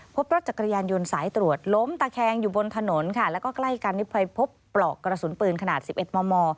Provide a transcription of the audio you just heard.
พบรถจักรยานยนต์สายตรวจล้มตะแคงอยู่บนถนนค่ะแล้วก็ใกล้กันนี้ไปพบปลอกกระสุนปืนขนาด๑๑มม